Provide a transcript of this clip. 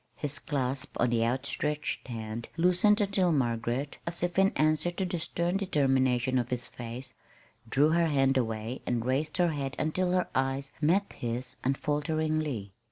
His clasp on the outstretched hand loosened until Margaret, as if in answer to the stern determination of his face, drew her hand away and raised her head until her eyes met his unfalteringly.